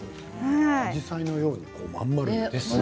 アジサイのように真ん丸ですね。